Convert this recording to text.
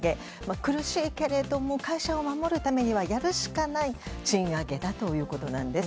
苦しいけれども会社を守るためにはやるしかない賃上げだということです。